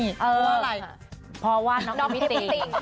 มันนี่เพราะว่าอะไร